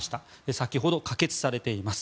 先ほど可決されています。